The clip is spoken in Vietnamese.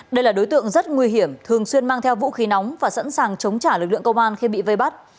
đây là đối tượng rất nguy hiểm thường xuyên mang theo vũ khí nóng và sẵn sàng chống trả lực lượng công an khi bị vây bắt